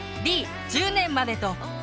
Ｄ「１０年まで」とＥ